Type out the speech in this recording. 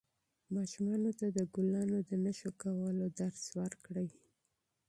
ماشومانو ته د ګلانو د نه شکولو درس ورکړئ.